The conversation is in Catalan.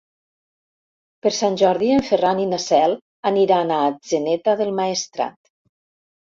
Per Sant Jordi en Ferran i na Cel aniran a Atzeneta del Maestrat.